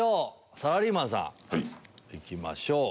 サラリーマンさん行きましょう。